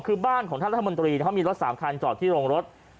คือบ้านของท่านรัฐมนตรีเขามีรถ๓คันจอดที่โรงรถ